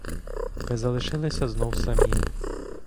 Ми залишилися знов самі.